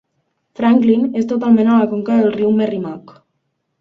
Franklin és totalment a la conca del riu Merrimack.